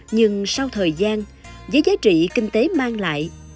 nhưng sau thời gian với giá trị kinh tế mang lại